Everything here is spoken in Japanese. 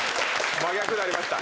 真逆になりました。